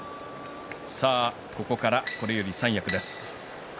ここから、これより三役です。